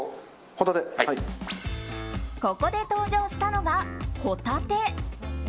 ここで登場したのがホタテ。